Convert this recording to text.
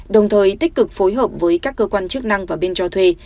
đồng thời tích cực phối hợp với các cơ quan chức năng và bên cho thuê